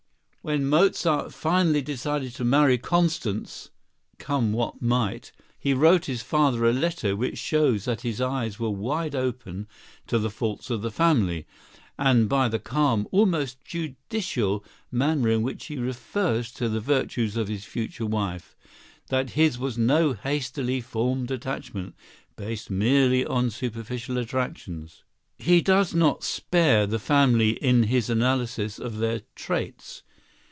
When Mozart finally decided to marry Constance, come what might, he wrote his father a letter which shows that his eyes were wide open to the faults of the family, and by the calm, almost judicial, manner in which he refers to the virtues of his future wife, that his was no hastily formed attachment, based merely on superficial attractions. He does not spare the family in his analysis of their traits.